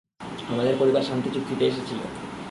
আমাদের পরিবার শান্তি চুক্তিতে এসেছিল।